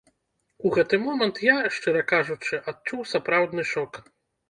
У гэты момант я, шчыра кажучы, адчуў сапраўдны шок.